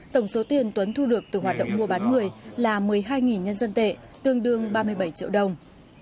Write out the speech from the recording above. tổng số tiền tuấn thu được từ hoạt động mua bán người là một mươi hai nhân dân tệ tương đương ba mươi bảy triệu đồng